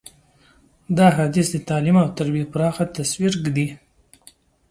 دا حدیث د تعلیم او تربیې پراخه تصویر ږدي.